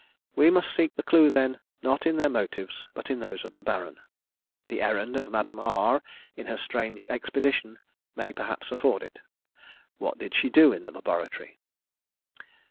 We must seek the clue, then, not in their motives, but in those of the Baron. The errand of Madame R, in her strange expedition, may perhaps afford it. What did she do in the laboratory?